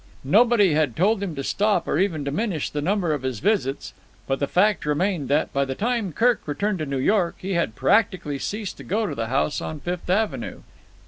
Nobody had told him to stop or even diminish the number of his visits, but the fact remained that, by the time Kirk returned to New York, he had practically ceased to go to the house on Fifth Avenue.